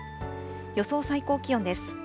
予想最高気温です。